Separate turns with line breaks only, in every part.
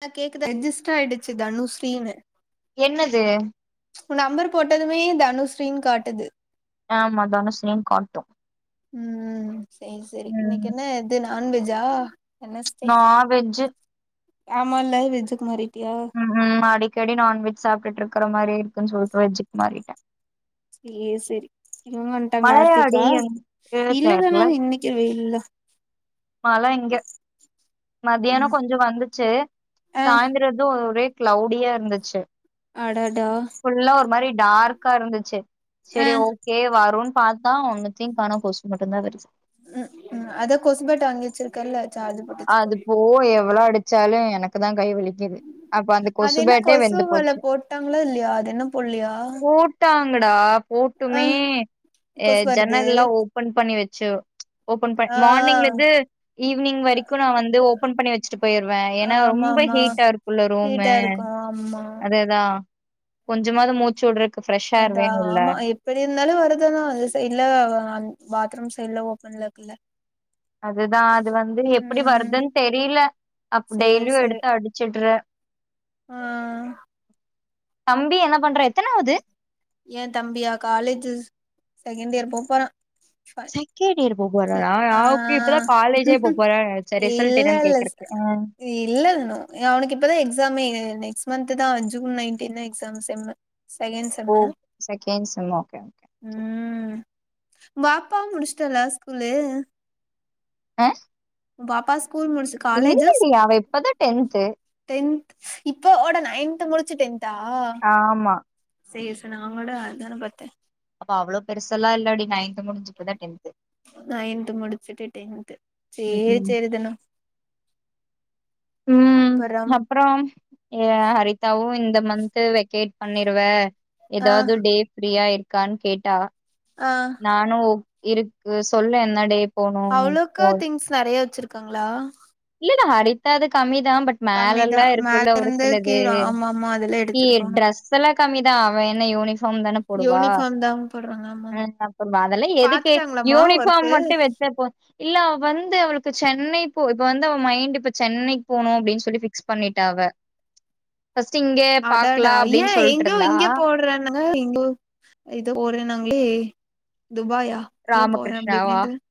ஹா கேக்குதா ரெட்ஜிஸ்டர் ஆயிடுச்சு தனுஸ்ரீனு
என்னது
நம்பர் போட்டதுமே தனுஸ்ரீனு காட்டுது
ஆமா தனுஸ்ரீனு காட்டும்
ம் சேரி சேரி இன்னைக்கு
உம்
என்ன இது நான்வெஜ்ஜா வெனஸ்டே
நா வெஜ்ஜு
ஆமால்ல வெஜ்ஜுக்கு மாறிட்டியா
உம் உம் அடிக்கடி நான்வெஜ் சாப்டுட்டு இருக்கிற மாரி [unintelligible] மாறிட்டா
ஏ சரி இவங்க வந்துட்டாங்களா
மழையாடி
ஆர்த்திகா
எங்
இல்லதானா இன்னைக்குவே இல்ல
மழை இங்க மத்தியானம்
ம்
கொஞ்சம் வந்துச்சு
ஆ
சாய்ந்திரதும் ஒரே கிளௌவுடியா இருந்துச்சு
அடடா
டார்கா இருந்துச்சு
ஆ
சரி ஓகே வருண் பார்த்தா ஒன்னுத்தையும் காண கொசு மட்டும்தான் வருது
உம் உஹம் அது கொசுபேட்டு வங்கிவச்சுருக்கல்ல
அதுபோவ எவ்ளோ எடு ச்சாலும் எனக்கு தான் கைவலிக்குது அப்ப அந்த
அது என்ன
கொசுபேட்டே
கொசு
வெந்து
வல
போச்சு
போட்டாங்களா இல்லையா அது என்ன போட்லையா
போட்டாங்கடா
ஆ
போட்டுமே
கொசு வருது
ஜன்னல்லாம் ஓப்பன் பண்ணி வச்ச ஓபன் பட்
ஆ
மார்னிங்ல இருந்து ஈவினிங் வரைக்கும் க்கு நா வந்து ஓபன் பண்ணி வச்சுட்டு போயிருவே ஏன்னா ரொம்ப
ஆமாமா
ஹீட்டா இருக்கும்ல
ஸ்வீட்டா
ரூமு
இருக்கு ஆமா
அதேதா கொஞ்சமாவது மூச்சு விடுறது
அதான் ஆமா எப்டி இருந்தாலும் வருதுதா அது சைட்ல பாத்ரூம் சைடுல ஓ நல்ல கில்ல
அதுதான் அது வந்து எப்படி
ம்
வருதுன்னு தெரியல அப்ப டெய்லியும் எடுத்து அடிச்சுடுறன்
ஹாங்
தம்பி என்ன பண்றா எத்தனாவுது
ஏன் தம்பியா காலேஜ் செகண் இயர் போ போறான் ஆ
செகண்ட் இயர் போ
இ
போறாரா
ஆ
ஓகே இப்பதா காலேஜே போ போறாரு சரி ரிசல்ட் என்னன்னு
இல்லல்ல
கேக்குறக்கு ஆ
இல்ல அவனுக்கு இப்பதா எக்ஸாமே நெக்ஸ்ட் மந்த்துதா June nineteen exam sem செகேன் sem
second sem okay okay
வாப்பாவும் முடிச்சுட்டலா ஸ்கூல்லு
ஆஹாங்
வாபஸ்
எங்க இங்க அவ இப்பதான் டென்த்து
ஸ் இப்போட நையன்த் முடிச்சு டென்த்
ஆமா
செய்ய சொன்னாங்க அவங்களோட அதானே பாத்தேன்
அப்ப அவ்ளோ பெருசல்லா இல்லடி நைன்த் [unintelligible] முடிஞ்சுட்டுதா டென்த்து
செட்டுட்டேன்த்து
ம்
சேரி சேரி தனு
உம்
அப்பறம்
அப்பறம் ஹரிதாவும் இந்த மந்த் வெக்கேட் பண்ணிருவ
ஆ
ஏதாது டேப்ஃப்ரீயா இரு க்கான்னு கேட்டா
ஆ
நானும் இருக்கு சொல்லு என்னட
அவ்ளவுக்கா திங்ஸ் நெறைய வச்சிருக் க்காங்ளா
[unintelligible] அடித்தது கம்மி [unintelligible] பட் மேல
கம்மிதா
எல்லாம்
மேல
இருக்குல்ல ஒரு
இருந்து
சிலது
கீழ ஆமா ஆமா அதெல்லா எடுத்துருப்பாங்க
[unintelligible] ரெஸ் எல்லாம் கம்மி தான் அவ [unintelligible] [unintelligible] தான போடுவா
யூனிஃபார்ம் தா போடுறாங்க ஆமா ஆமா
[unintelligible] அதெல்லாம் எதுக்கு
பாத்துட்டாங்களாமா
யூனிஃபார்ம்
ஒர்க்கு
மட்டும் வச்சா போதும் இல்ல வந்து அவளுக்கு செ நீ போ இப்ப வந்து அவ மைண்ட் இப்ப சென்னைக்கு போணும் அப்படின்னு சொல்லி ஃபிக்ஸ் பண்ணிட்டா அவ ஃபர்ஸ்ட் இங்க
அடாடா
பாக்கலாம் அப்படின்னு
ஏன்
சொல்ட்டு
எங்கோ
இருந்தா.
இங்க போடுறானுங்க [unintelligible] நாங்ளே துபாயா ஏ போறே அப்டி
ராமகிருஷ்ணாவா?
[unintelligible]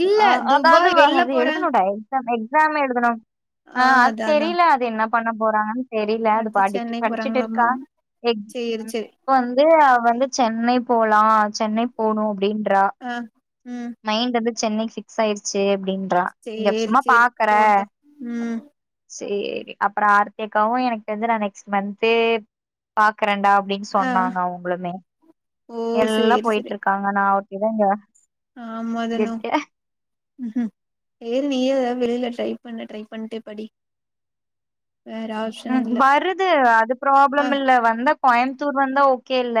இல்ல துபாய் வெளில போறே
[unintelligible] எக்ஸாமல்லா எழுதணு
ஆ
ஆஹ் அது
அதா அதா
தெரியல அது என்ன பண்ண போறாங்கன் தெரியல அது
அடுத்து
படி
சென்னை
படிச்சுட்டு
போறாங்களாமா
இருக்கா எக்
சேரி சேரி
இப்ப வந்து வந்து சென்னை போலா சென்னை போனு அப்டின்
ஆஹ்
மைண்ட் அது சென்னைக்கு பிக்ஸ் ஆயிடுச்சு அப்படின்னு
சேரி சேரி போட்டோ உம்
சேரி அப்புறம் ஆர்த்தகாவும் எனக்கு வந்து நான் நெக்ஸ்ட் மந்த்து பா க்கரண்டா அப்டின்னு
ஆ
சொன்னாங்க அவுங்களுமே
ஓ
எல்லாம் போயிட்டு இருக்காங்க நான் இவங்க
ஆமாதுனும் உம்ம் ஏ நீயாவ வெளில ட்ரை பண்ண ட்ரை பண்ணிட்டே படி வேற ஆப்ஷன் இல்ல
ம்க்கும் வருது அது
ஆ
ப்ராப்ளம் இல்ல வந்தா கோயம்பத்தூர் வந்தா ஓகே இல்ல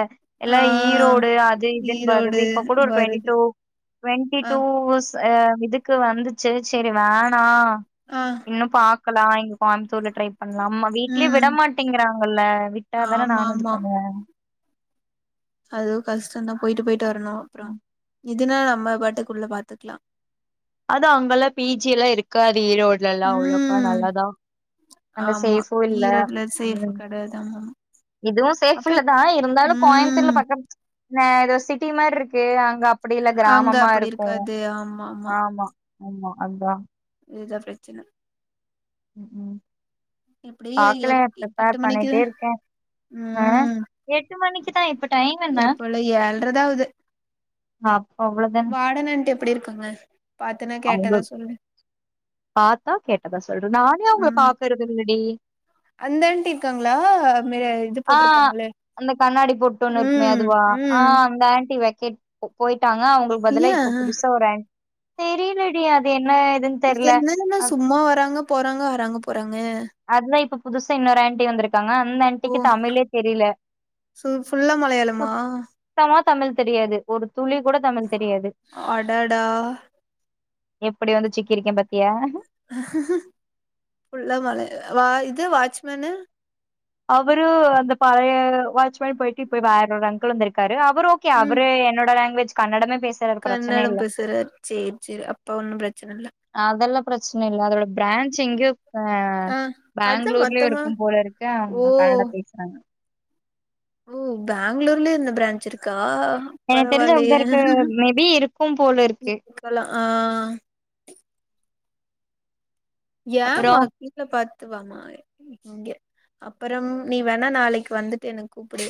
ஆ
எல்லாம் ஈரோடு அது இதுன்னு வறது
ஈரோடு
இப்ப கூட ஒரு டுவெண்டி
வருது
டூ
ஆ
டவெண்டிடூ ஹ இதுக்கு வந்துச்சு சரி வேணாம்
ஆ
இன்னும் பாக் க்கலா இங்க கோயமுத்தூர்ல ட்ரை பண்ணலாம் அம்மா வீட்லயே விட
ம்
மாட்டேங்கிறாங்கல்ல விட்டாதான
ஆமா
நானும் இது
ஆமா
பண்ணுவேன்
அதுவு கஷ்டம்தா போயிட்டு போயிட் ர்ணும் அப்புறம் இதுனா நம்ம பாட்டுக்குள்ள பாத்துக்கலாம்
அது அவங்க எல்லாம் பிஜி எல்லாம் இருக்கா ஈரோட்ல எல்லாம் அவ்ளோக்கா
ம்
நல்லாதான் அங்க
ஆமா
சேஃபும் இல்ல
ஈரோட்ல சேஃப்
உம்
கெடையாது ஆமாமா
இதுவும் சேஃப்
அப்ப
இல்லதா இருந்தாலு
ம்
கோயம்பத்தூர்ல பக்கம் நா ஏதோ சிட்டி மாரி இருக்கு அங் அங்க அப்டி இல்ல
அங்க
கிராமமா
அப்டி
இருக்கும்
இருக்காது ஆமா
ஆமா ஆமா அதான்
எதா பிரச்சனை
உம் உம்
எப்டியு எப்
பாக்கலன்
எட்டு
ப்ரிப்பேர்
மணிக்கு
பண்ணிட்டே இருக்கேன் ஆஹ் எட்டு மணிக்கு [unintelligible]
எப்பலாம் ஏல்றதா ஆவ்து
அப்ப
வாட நன்ட்டு எப்டி இருக்காங்க பாத்தனா
அவங்க
கேட்டதா சொல்லு
பார்த்தா கேட்டதான் சொல்ற நானே அவங்கள
ம்
பாக்கறது இல்லடி
அந்த ஆண்டி இருக்காங்களா மே இது
ஆஹ்
போட்ருப்பாங்களே
அந்த கண்ணாடி போட்டு ஒண்ணு இருக்குமே
ம்
அதுவா
ம்
ஆஹ் அந்த ஆன்ண்டி [unintelligible] ட்டாங்க அவங்களுக்கு பதில
ஏ
இப்ப புதுசா ஒரு ஹேன்ட் தெரியலடி அதென்
இது என்னன்னன்னா சும்மா வராங்க போறாங்க வராங்க போறாங்க
அதுதான் இப்ப புதுசா இன்னொரு ஆண்டி வந்ருக் த்தாங்க அந்த
ஓ
ஆண்டிக்கு தமிழே தெரியல
சு ஃபுல்லா மலையாளமா
சுத்தமா தமிழ் தெரியாது ஒரு துளி கூட தமிழ் தெரியாது
அடடா
எப்பிடி வந்து சிக்கிருக்கேன் பாத்
புல்ல மலை வா இது வாட்ச்மேனு
அவரு அந்த பழைய வாட்ச்மேன் போயிட்டு இப்பய் வேற ஒரு அங்கள் வந்திருக்காரு அவர் ஓகே அவ
ம்
என்னோட லாங்குவேஜ் கன்னடமே பேசுறாரு பிரச்சன
கன்னடம்
இல்ல
பேசறார் சேரி சேரி அப்ப ஒன்னும் பிரச்சன இல்ல
அதெல்லாம் பிரச்சனை இல்ல [unintelligible] பிரான்ச் எங்கயோ ஆ
ஆ அதா
பேங்ளூர்லயே
மொத்தமா
இருக்கும் போல இருக்க
ஓ
அவங்க கன்னடா பேசுறாங்க
ஓ பெங்களூர்லயே இந்த பிரெஞ்ச் இருக்கா ஆஹ்
எனக்கு தெரிஞ்சு
பரவால்லயே
அப்டிதா இருக்கு மேபி இருக்கும் போல இருக்கு
[unintelligible] ஆ
அப்புறோ
ஏமா கீல பாத்துவாமா இங்க அப்புறம் நீ வேணா நாளைக்கு வந்துட்டு எனக்கு கூப்பிடு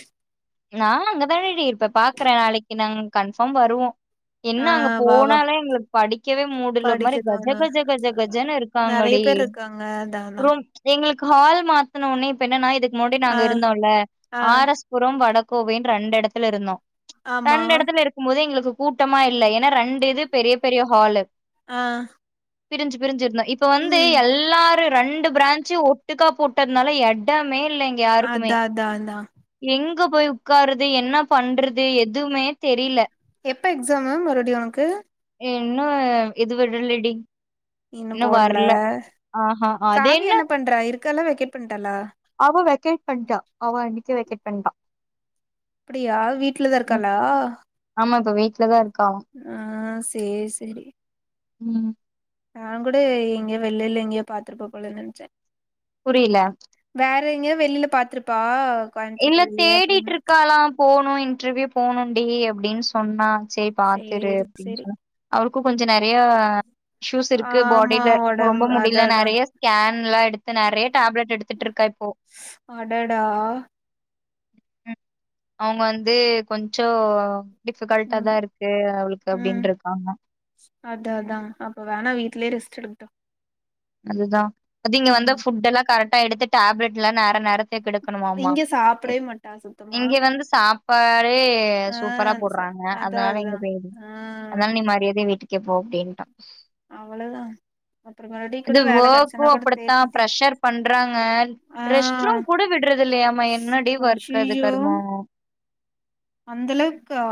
நான் அங்கதானடி இருப்பேன் பாக்குறேன் நாளைக்கு நான் கன்ஃபார்ம் வருவோ என்ன
ஆ
அங்க
வா வா
போனாலே எங்களுக்கு படிக்கவே மூடு இல்ல ஒரு
படிக்க
மாதிரி கஜ
தோணு
கஜ கஜ கஜன்னு
நெறைய
இருக்காங்கடி
பேர் இருக்காங்க அதா அதா
ரொ எங்களுக்கு ஹால் மாத்தன உடனே இப்ப என்னன்னா இதுக் முன்னாடி நாங்க
ஆ
இருந்தோல்ல
ஆ
ஆர் எஸ் புரம் வட கோவின்னு ரண்ட டெடத்துல இருந்தோ
ஆமா
கன்னடத்துல இருக்கும் போது எங்களுக்கு கூட்டமா இல்ல ஏன்னா ரெண்டு இது பெரிய பெரிய ஹாலு
ஆஹ்
பிரிஞ்சு பிரிஞ்சு இருந்தே இப்ப வந்து எல்லாரு ரெண்டு பிராஞ்சு ஒட்டுக்கா போட்டதுனால எடமே இல்ல இல்லங்க யாருக்குமே
அதா அதா அதா
எங்க போய் உக் உக்கார்றது என்ன பண்றது எதுவுமே தெரியல
எப்ப எக்ஸாமு மறுபடியு உனக்கு
இன்னும் இது விடலடி
இன்னு போட்ல
ஆஹா அது
காவியா என்ன பண்றா இருக் க்காளா வெக்கேட் பண்ட்டாளா
அவ வெக்கேட் பண்ட்டா அவ அன்னைக்கே வெக்கேட் பண்ட்டா
அப்டியா வீட்லதா இருக்காலா
ப்ப வீட்ல தான் இருக்
ஆஹ் சேரி சேரி
உம்
நான் கூட எங்கயோ வெள்ளில எங்கேயோ பாத்துட்டு போலருப்பனு நினைச்சேன்
புரியல
ற எங்கயாவது வெளியில பாத்துருப்பா
இல்ல
கோயம்புத்தூர்க்குள்ளயே
தேடிட்டு
அப்டின்னு
இருக்காலாம் போன் [unintelligible] இன்டர்வியூ போகணுன்டி அப்டின்னு சொன்னா சேரி பாத்து இரு
சேரி
அப்டின்னு
சேரி
சொன்னா அவருக்கும் கொஞ்சோ நெறையா இஸ்யூஸ் இருக்கு
ஆமா
பாடில ரொம்ப ரொம்ப
ஒடம்பு அதா
முடியல
அதா
நெறைய ஸ்கேன்லா எடுத்து நெறைய டேப்லெட் எடுத்துட்டு இருக்கா இப்போ
அடடா
ம் அவங்க வந்து கொஞ்சோ
உம்
டிஃபிகல்ட்டாதா இருக்கு அவளுக்கு
உம்
அப்டின்ருக்காங்க
அதான் அதான் அப்ப வேணா வீட்லயே ரெஸ்ட் எடுங் ட்டோ
அதுதா அது இங்க வந்து ஃபுட் எல்லாம் கரெக்ட் ட்டா எடுத்து டேப்லெட்லா நேர நேரத்துக்கு எடு க்கனுமாமா
இங்க சாப்டவே மாட்டா சுத்தமா
இங்க வந்து சாப்பாடே
ஆ
சூப்பரா
ச
போட்றாங்க
அதா
அதனால
அதா
எங்க [unintelligible]
ஆ
அதனால நீ மரியாதயா வீட்டுக் ஓகே போ அப்டின்ட்டா
அவ்ளதா பாத்
இது ஒர்க்கும் அப்டித்தான் ப்ரஷர் பண்றாங்க
ஆ
ரெஸ்ட் ரூம் கூட விடுறது இல்லையாமா என்னடி ஒர்க் அது
அய்யய்யோ
கர்மோ
அந்த அளவுக்கு க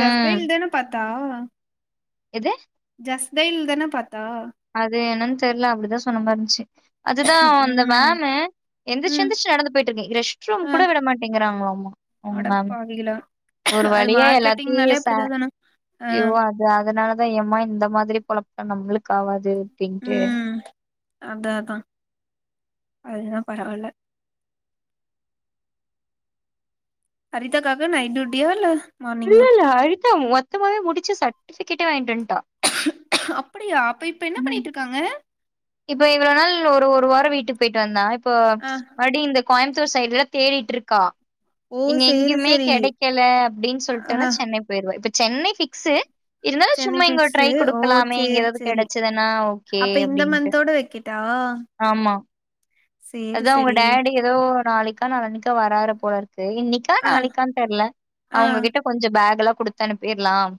ஜஸ்
ம்
டயல் தான பாத்து தா
எது
ஜஸ் டயல் தான பாத்தா
அது என்னன்னு தெரில அப்டிதான் சொன்ன மாரி இருந்துச்சு அதுதான் அந்த
ம்
மேம் எந்திரிச்சு
ம்
எந்திச்சு நடந்து போயிட்டு இருக்கு ரெஸ்ட் ரூம்
ஆ
கூட விட மாட்டேங்கிறாங்களோ அவங்க மேம்மு
அடப்பாவிகளா
ஒரு
அது
வழியா எல்லாத்தையும்
மார்க்கெட்டிங்னாலே
ச
அப்டிதா தான ஆ
ஐயோ அது அதனாலதான் [unintelligible] யம்மா இந்த மாதிரி பொழப்புத்தனோ நம்மளுக்கு க்காவது டிண்ட்டு
அதான் அதான் அதுதான் பரவல அரிதாக்காக நைட்டுட்டியா யில்ல
இல்ல இல்ல அழுத்தா மொத்தமாவே முடிச்சு சட்ட [unintelligible] வாங்கிட்டு வன்ட்டா
அப்டியா அப்ப இப்ப என்ன பண்ணிட்டு இருக்காங்க
இப்ப இவ்வளவு நாள் ஒரு ஒரு வாரம் வீட்டுக்கு போயிட்டு வந்தான் இப்ப
ஆ
மறுபடி இந்த கோயம்பத்தூர் சைடுல தேடிட்டு இருக்கா
ஓ
இங்க
சேரி
எங்கேயுமே
சேரி
கிடைக்கல அப்படின்னு
ஆ
சொல்டன்னா சென்னை போயிடுவா இப்ப சென்னை பிக்சு இருந்தாலு
சென்னை
சும்மா இங்க ட்ரை
பிக்ஸு ஓ
குடுக்கலாமே இங்க
சேரி
ஏதாவது
சேரி
கெடச்சதுன்னா ஓகே அப்டின்ட்டு
டா
அதோ உங்க டாடி ஏதோ நாளைக்கா நாளான்னிக்கா வர்ராறு போல இருக் கு இன்னிக்கா
ஆ
நாளைக்கா தெர்ல
ஆ
அவங்ககிட்ட கொஞ்சம் பேக் எல்லாம் குடுத்து அனுப்பிர்ல்லாம்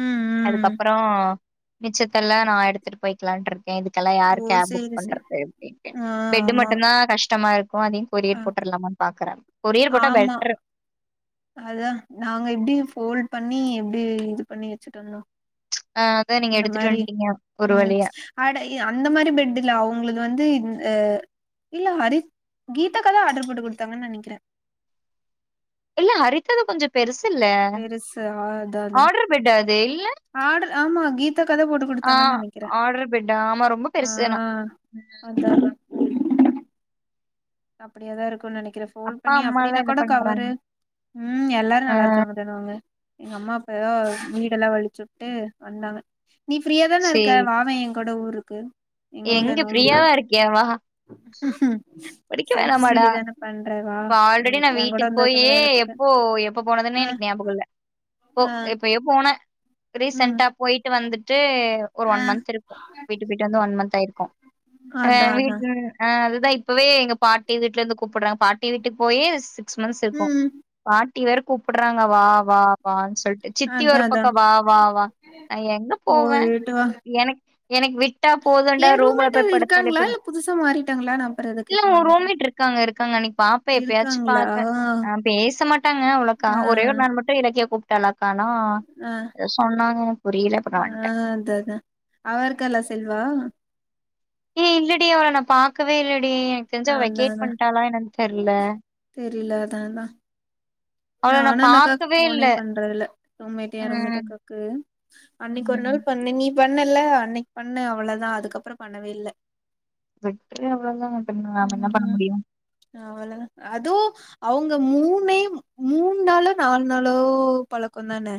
ம் ம்
அதுக்கப்றோ மிச்சத்தல்லா நா எடுத்துட்டு போய்க்கலான்றுக் இதுக்கல்லாம் யாரு
ஓ
கேப் புக்
சேரி சேரி
பண்றது அப்டின்ட்டு
ஆ
பெட்டு்
ஆமா
மட் கஷ்டமா இருக்கு ஓ அதையும்
ஆ
கொரியர் போட்டரலாமான்னு பாக்குறன் கொரியர் போட்ட
ஆமா
பெட்ரு
அதா நாங்க எப்டி ஃபோல்ட் பண்ணி எப்டி இது பண்ணி வச்சுட்டு வந்தோம்
ஆ அதா நீங்க
இந்த
எடுத்துட்டு
மாரி
வந்ட்டீங்க ஒரு
உம்
வழியா
அட அந்த மாரி பெட்டுல்ல அவுங்களது வந்து அஹ் இல்ல ஹரி கீதாக்காதான் ஆர்ட போட்டு கொடுத்தாங்கன்னு நெனைக்கிறேன்
இல்ல ஹரிக்குதா கொஞ்ச பெருசுல்ல
பெருசு
ஆர்டர் பெட்டா அது இல்
ஆட்ரு ஆமா கீதாக்காதா போட்டு
ஆ
குடுத்தாங்கன்னு நெனைக்கிறே
ஆர்டர் பெட்டா ஆமா ரொம்ப பெருசுனா
ஆஹ் அதா அதா அப்டியா தான் இருக்கும் நெனைக் ஃப்போல்
அப்பா
பண்ணி
அம்மால்லா
அப்டின்னா
என்ன
கூட கவரு
பண்றாங்க
உம் எல்லாரும்
ஆ
நல்லா இருக்காங்க தனம் அங்க எங்க அம்மா ஆ வீடெல்லா வழிச்சு வுட்டே உம் வந்தாங்க நீ ஃப்ரீயா தான இருக்க
சேரி
வாவேன் கட ஊருக்கு எங்க ஊர்ல நோம்பி
ஃப்ரீயாவா இருக்கியா? வா! படிக்க
செல்ஃப்
வேணாமாடா
ஸ்டடி தான பண்ற வா
இப்ப ஆல்ரெடி
ம்
நான்
என் கூட
வீட்டுக்கு
வந்து உக்காந்து
போயே
வேல பாக்க
எப்போ எப்போ போனதுன்னு
ஆ
எனக்கு ஞாபகம் இல்ல எப்ப
ஆ
எப்பயோ போனே
ம்
ரீசண்டா போயிட்டு வந்துட்டு ஒரு
ஆ
ஒன் மந்த் இருக்கும் வீட்டு போய்ட்டு வந்து ஒன் மந்த் க்கு
அதா
ஆஹ்
அதா
வீட்ல அ அஹ் அதுதான் இப்பவே எங்க பாட்டி வீட்டுல இருந்து கூப்பிடுறன் பாட்டி வீட்டுக்கு போயி சிக்ஸ் மந்த்ஸ் இருக்கு
ம்
[unintelligible] நீ வேர கூப்புட்றாங்க வா வா வான்னு சொல்ட்டு சித்தி
அதா
ஒரு
அதா
பக்கம் வா வா வா நா எங்க போவே
போயிட்டு வா
எனக் எனக்கு விட்டா போதுன்
ஏ
ரூம்ல
ரூம்மேட்
போயி படுத்தாலே
இருக்காங்களா
போது
இல்ல புதுசா மாறிட்டாங்களா நா அப்புற எது கேக்க
[unintelligible] ரூம்
மறந்துட்டே
மேட் இருக்காங்க இருக்காங்க அன்னைக்கி பாப்பே எப்பயாச்சு
இருக்காங்களா
பாப்பே ஆ பேச மாட்டாங்க அவ்ளோக்கா
ஆ ஆ
ஒரே ஒரு நாள் மட்டு [unintelligible] விஜயா கூப்ட்டாளா க்கு ஆனா இத சொன்னாங்க புரியல அப்புறம் நான் வந்ட்டேன்.
அஹ் அதா அதா. அவ இருக்காலா செல்வா
ஏ இல்லடி அவள நா பாக்கவே இல்ல [unintelligible] எனக்கு தெரிஞ்சு அவ
அதா
வெகேட் பண்ட்டாலா என்னன்னு தெர்ல
இல்லதான்னா
அவள நான்
நானும் அந்த அக்காக்கு
பாக்கவே இல்ல.
போனே பண்றது இல்ல [unintelligible]
ம்,
அக்காவுக்கு அன்னைக்கு ஒரு
ம்.
நாள் பண்ண நீ பண்ணல்ல அன்னைக்கி பண்ணே அவ்ளதா அதுக்கப்புறோ பண்ணவே இல்ல
[unintelligible] குழந்தைங்க பண்றாங்க நாம என்ன பண்ண முடியு
அவ்ளதா அதும் அவங்க மூணே மூண் நாளோ நாலு நாளோ பழக்கம்தான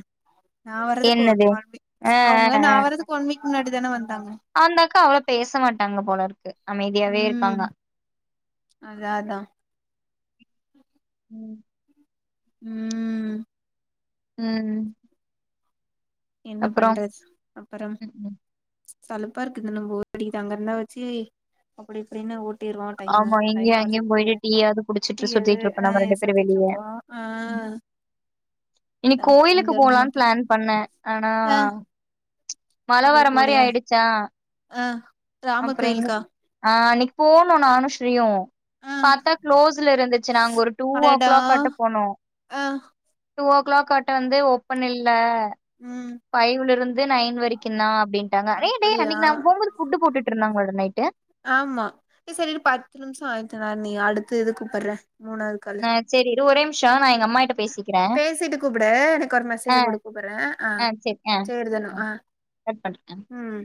நா வர்றதுக்கு ஒரு
என்னது?
[unintelligible] அவங்க நான் வறதுக்கு ஒன் வீக் முன்னாடி [unintelligible] வந்து
அந்தக்கா அவ்ளோ பேச மாட்டாங்க போல இருக்கு அமைதியாவே
ம்
இருக்காங்க
அதா அதா ஓகே
உம்
உம்
உம்
என்ன பண்றது அப்புறம்
ம்,
சலுப்பா இருக்குது [unintelligible] வச்சு அப்டி இப்டின்னு ஓ
ஆமா இங்கயு அங்கயு போயிட்டு டீயாவது குடிச்சிட்டு
டீயது
சுத்திட்டு இருப்போ
ஆ
நம்ம ரெண்டு பேரும் வெளியே
சுத்திட்ருப்போ ஆ ஆ அதா
இன்னிக்கு
இங்க
கோயிலுக்கு
இருந்து
போலாம்னு
மட்டு
பிளான் பண்ணே ஆ ஆ ஆ மழ
அப்றோ
வர மாரி
போலயா
ஆயிடுச்சா
ஆ ராமர்
அப்புற எங்க
கோயிலுக்கா
ஆஸ் இன்னைக் போனோ நானும் ஸ்ரீயும்
ஆ
பத்தா க்ளோஸ்ல இருந்துச்சு நாங்க ஒரு டூ ஓ
அடடா
கிளாக்காட்ட போனோ
ஆ
டூ ஓ கிளாக் கட்ட வந்து ஓப்பன் இல்ல
ம்
ஃபைவ்லிருந்து இது நைன் வரைக்கு நா அப்டிண்ட்டாங்க டேய் டேய்
அப்படியா
அன்னைக்கி நாங்க போம்போது ஃபுட்டு போட்டுட் நாங்களோ நைட்டு
ஆமா ஏ செரி இரு பத்து நிமிஷோ ஆயிடுச்சுடா நீ அடுத்து இது கூப்பிடற மூணாவது காலு
அ சரி இரு ஒரே நிமிஷம் நான் எங்க அம்மாகிட்ட பேசிக்கிறேன்.
பேசிட்டு கூப்புடு எனக்கு ஒரு
ஆ,
மெசேஜ் போடு கூப்பட்றே
ஆ
ஆஹ்
சரி. ஆ,
சேரிதான
ஆ
ஆஹ்
கட் பண்றேன்.
உம்